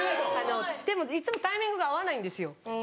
でもいつもタイミングが合わないんですよ。